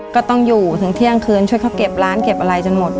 ก็ต้องอยู่ถึงเที่ยงคืนช่วยเขาเก็บร้านเก็บอะไรจนหมด